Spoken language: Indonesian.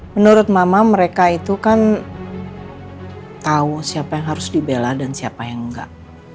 menurut mama mereka itu kan tahu siapa yang harus dibela dan siapa yang enggak